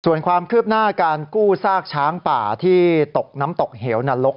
ส่วนความคืบหน้าการกู้ซากช้างป่าที่ตกน้ำตกเหวนรก